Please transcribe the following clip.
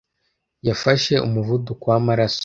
yafashe umuvuduko wamaraso.